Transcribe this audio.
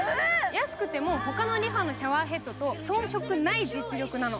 安くても他のリファのシャワーヘッドと遜色ない実力なの。